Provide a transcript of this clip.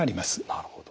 なるほど。